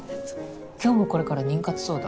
今日もこれから妊活相談。